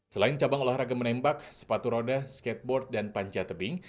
selain cabang olahraga menembak sepatu roda skateboard dan panjat tebing